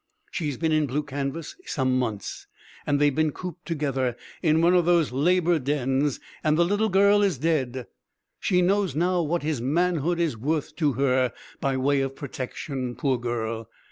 She's been in blue canvas some months, and they've been cooped together in one of those Labour dens, and the little girl is dead. She knows now what his manhood is worth to her, by way of protection, poor girl.